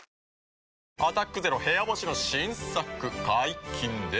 「アタックＺＥＲＯ部屋干し」の新作解禁です。